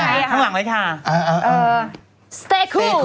ข้างหลังละค่ะ